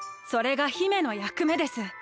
それが姫のやくめです。